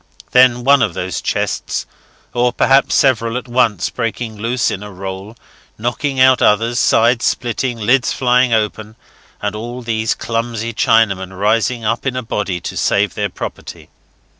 Then one of these chests or perhaps several at once breaking loose in a roll, knocking out others, sides splitting, lids flying open, and all these clumsy Chinamen rising up in a body to save their property.